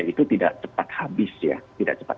itu tidak cepat habis ya tidak cepat